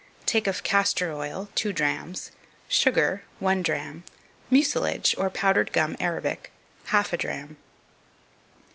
Take of Castor oil 2 drachms. Sugar 1 drachm. Mucilage, or powdered gum Arabic half a drachm.